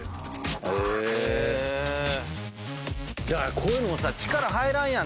こういうのもさ力入らんやん。